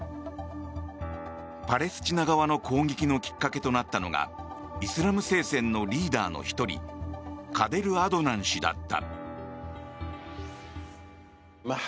パレスチナ側の攻撃のきっかけとなったのがイスラム聖戦のリーダーの１人カデル・アドナン氏だった。